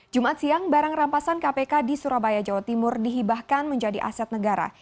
jumat siang barang rampasan kpk di surabaya jawa timur dihibahkan menjadi aset negara